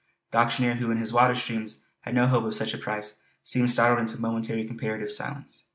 The auctioneer who in his wildest dreams had no hope of such a price seemed startled into momentary comparative silence.